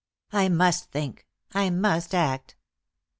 I must think; I must act.